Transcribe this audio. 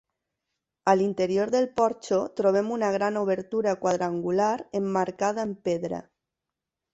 A l'interior del porxo trobem una gran obertura quadrangular emmarcada amb pedra.